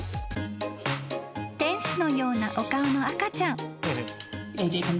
［天使のようなお顔の赤ちゃん］